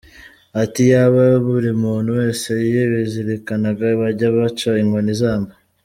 Ati:”Iyaba buri muntu wese yabizirikanaga bajya baca inkoni izamba.